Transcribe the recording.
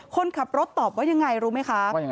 คนขับรถตอบว่ายังไงรู้ไหมคะ